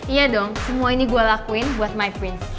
iya dong semua ini gue lakuin buat my prince